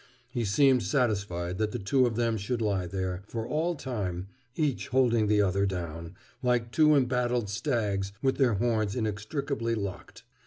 He seemed satisfied that the two of them should lie there, for all time, each holding the other down, like two embattled stags with their horns inextricably locked.